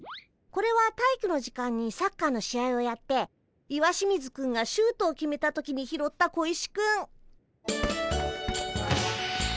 これは体育の時間にサッカーの試合をやって石清水くんがシュートを決めた時に拾った小石くん。